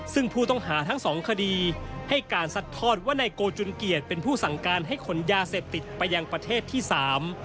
ซึ่งผู้ต้องหาทั้งสองคดีให้การซัดทอดว่านายโกจุนเกียรติเป็นผู้สั่งการให้ขนยาเสพติดไปยังประเทศที่สาม